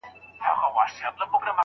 خو په واشنګټن او د نړۍ په نورو سیمو کي